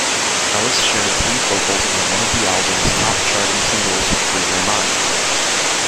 Ellis shares lead vocals on one of the album's top-charting singles "Free Your Mind".